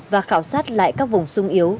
và khảo sát lại các vùng sung yếu